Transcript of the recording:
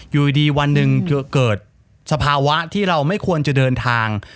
อยู่ดีวันหนึ่งเกิดสภาวะที่เราไม่ควรจะเดินทาง